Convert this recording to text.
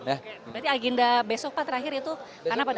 berarti agenda besok pak terakhir itu karena apa